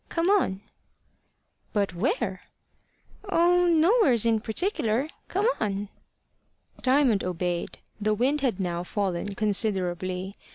Come on." "But where?" "Oh, nowheres in particular. Come on." Diamond obeyed. The wind had now fallen considerably.